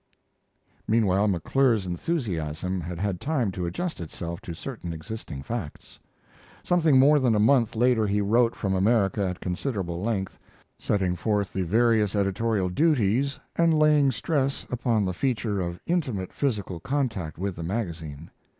Meanwhile McClure's enthusiasm had had time to adjust itself to certain existing facts. Something more than a month later he wrote from America at considerable length, setting forth the various editorial duties and laying stress upon the feature of intimate physical contact with the magazine.